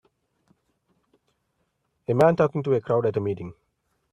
A man talking to a crowd at a meeting